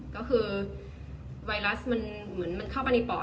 ก็คือไวรัสมันเข้าไปในปอด